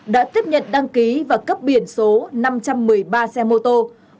đã tiếp nhận đăng ký và cấp biển số năm trăm một mươi ba xe mô tô